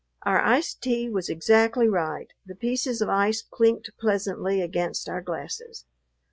Our iced tea was exactly right; the pieces of ice clinked pleasantly against our glasses.